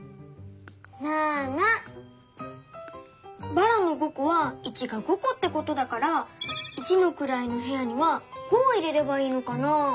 ばらの５こは「１」が５こってことだから一のくらいのへやには５を入れればいいのかな？